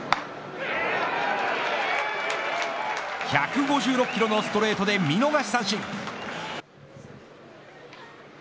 １５６キロのストレートで見逃し三振。